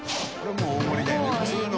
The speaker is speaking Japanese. もう大盛りだよね普通の。